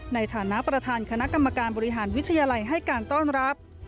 ในฐานะประธานคณะกรรมการบริหารวิทยาลัยให้การต้อนรับ